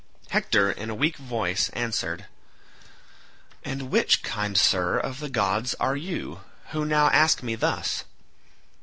Hector in a weak voice answered, "And which, kind sir, of the gods are you, who now ask me thus?